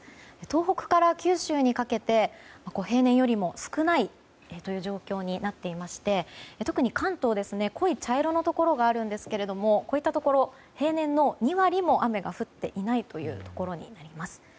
東北から九州にかけて平年より少ない状況になっていまして特に関東濃い茶色のところがあるんですがこういったところ平年の２割も雨が降っていないところです。